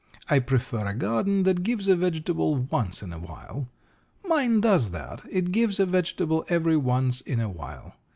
I prefer a garden that gives a vegetable once in awhile. Mine does that it gives a vegetable every once in awhile.